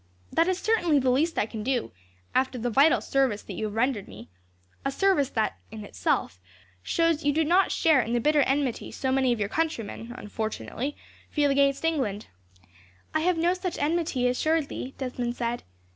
That is certainly the least I can do, after the vital service that you have rendered me a service that, in itself, shows you do not share in the bitter enmity so many of your countrymen, unfortunately, feel against England." "I have no such enmity, assuredly," Desmond said.